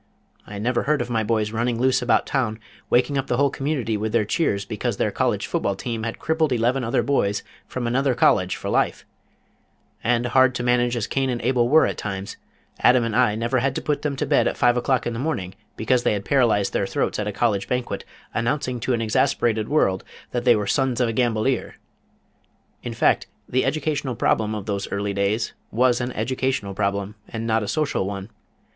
I never heard of my boys running loose about town waking up the whole community with their cheers because their college football team had crippled eleven other boys from another college for life; and hard to manage as Cain and Abel were at times, Adam and I never had to put them to bed at five o'clock in the morning because they had paralyzed their throats at a college banquet announcing to an exasperated world that they were Sons of a Gambolier. In fact, the educational problem of those early days was an educational problem and not a social one.